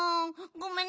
ごめんね。